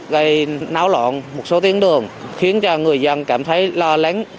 gây náo lộn một số tiếng đường khiến cho người dân cảm thấy lo lắng